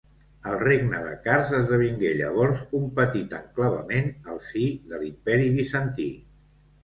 El regne de Kars esdevingué llavors un petit enclavament al si de l'Imperi Bizantí.